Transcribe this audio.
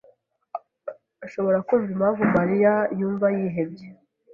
ashobora kumva impamvu Mariya yumva yihebye.